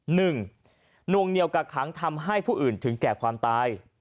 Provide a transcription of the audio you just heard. หนึ่งนวงเหนียวกักขังทำให้ผู้อื่นถึงแก่ความตาย